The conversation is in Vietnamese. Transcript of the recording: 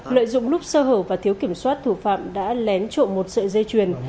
lợi dụng lúc sơ hở và thiếu kiểm soát thủ phạm đã lén trộm một sợi dây chuyền